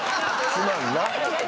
すまんな。